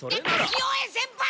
潮江先輩！